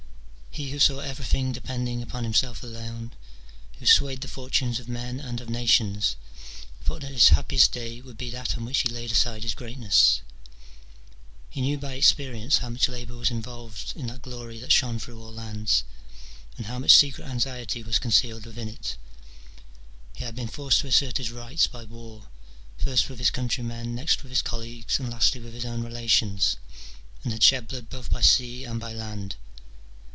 He, who saw everything de pending upon himself alone, who swayed the fortunes of men and of nations, thought that his happiest day would be that on which he laid aside his greatness. He knew by experience how much labour was involved in that glory that shone through all lands, and how much secret anxiety was concealed within it : he had been forced to assert his rights by war, first with his countrymen, next with his colleagues, and lastly with his own relations, and had shed blood both by sea and by land